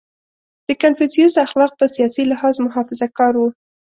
• د کنفوسیوس اخلاق په سیاسي لحاظ محافظهکار وو.